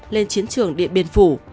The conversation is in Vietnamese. lên chiến trường địa biên phủ